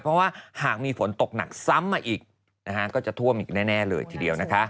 เพราะว่าหากมีฝนตกหนักซ้ำมาอีกก็จะท่วมอีกแน่เลยทีเดียวนะคะ